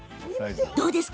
どうですか？